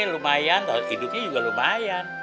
lumayan hidupnya juga lumayan